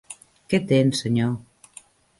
Què tens, senyor?